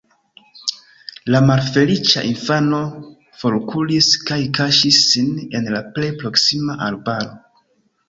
La malfeliĉa infano forkuris kaj kaŝis sin en la plej proksima arbaro.